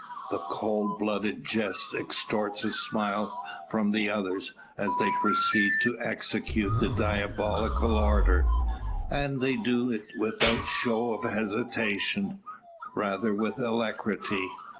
The cold blooded jest extorts a smile from the others, as they proceed to execute the diabolical order. And they do it without show of hesitation rather with alacrity.